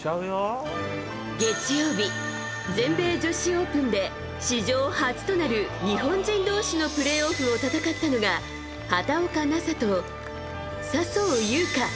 月曜日、全米女子オープンで史上初となる日本人同士のプレーオフを戦ったのが畑岡奈紗と笹生優花。